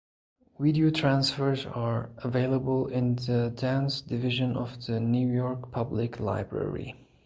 Video transfers are available in the Dance Division of the New York Public Library.